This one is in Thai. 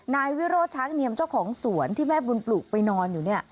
นายวิโรธช้างเนียมเจ้าของสวนที่แม่บุญปลูกไปนอนอยู่